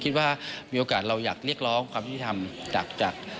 คิดว่ามีโอกาสเราอยากเรียกร้องความยุติธรรมจาก